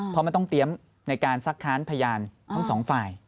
เพราะมันต้องเตรียมในการซักค้านพยานทั้งสองฝ่าย